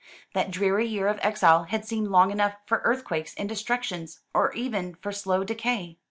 That dreary year of exile had seemed long enough for earthquakes and destructions, or even for slow decay.